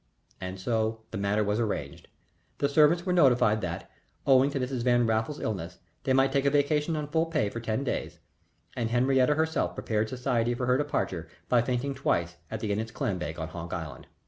And so the matter was arranged. The servants were notified that, owing to Mrs. Van Raffles's illness, they might take a vacation on full pay for ten days, and Henriette herself prepared society for her departure by fainting twice at the Innit's clam bake on Honk Island.